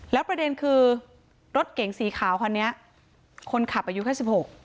แล้วประเด็นคือรถเก๋งสีขาวคันนี้คนขับอายุแค่สิบหก